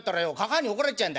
嬶に怒られちゃうんだい」。